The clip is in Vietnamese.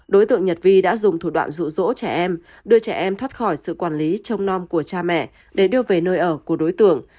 đối tượng nhật vi đã dùng thủ đoạn rụ rỗ trẻ em đưa trẻ em thoát khỏi sự quản lý trông non của cha mẹ để đưa về nơi ở của đối tượng